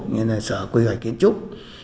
nên là sở quy hoạch kiến trúc